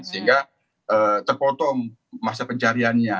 sehingga terpotong masa pencariannya